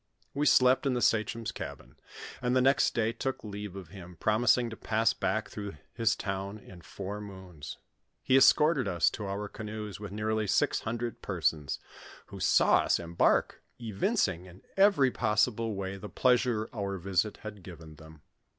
We slept in the sachem's cabin, and the next day took leave of him, promising to pass back through his town in four moons. He escorted us to our canoes with nearly six hundred persons, who saw us embark, evincing in every possible way the pleasure our visit had given them.